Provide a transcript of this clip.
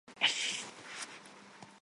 Գրված է միասյուն բոլորգիր, նոտրգրով։